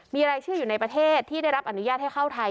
มีรายชื่ออยู่ในประเทศที่ได้รับอนุญาตให้เข้าไทย